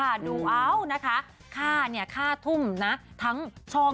อันนี้สุดยอดไปเลยคุณผู้ชม